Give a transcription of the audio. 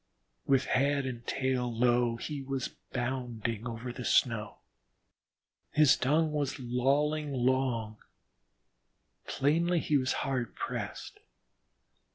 With head and tail low he was bounding over the snow. His tongue was lolling long; plainly he was hard pressed.